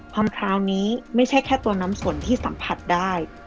พร้าวนี้ไม่ใช่แค่ตัวน้ำสนที่สัมผัสได้